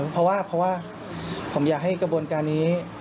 เพราะว่าผมอยากให้กระบวนการนี้